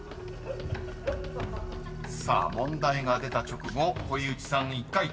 ［さあ問題が出た直後堀内さん１回転］